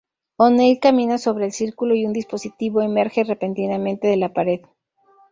O'Neill camina sobre el círculo y un dispositivo emerge repentinamente de la pared.